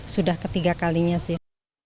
sudah ketiga kalinya sih